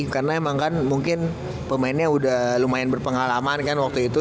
karena emang kan mungkin pemainnya udah lumayan berpengalaman kan waktu itu